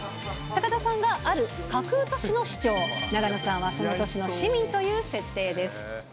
高田さんはある架空都市の市長、永野さんはその都市の市民という設定です。